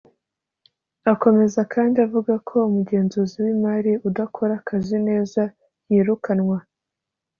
Akomeza kandi avuga ko umugenzuzi w’imari udakora akazi neza yirukanwa